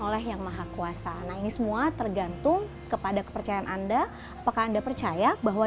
oleh yang maha kuasa nah ini semua tergantung kepada kepercayaan anda apakah anda percaya bahwa